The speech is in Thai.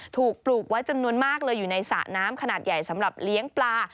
ปลูกไว้จำนวนมากเลยอยู่ในสระน้ำขนาดใหญ่สำหรับเลี้ยงปลา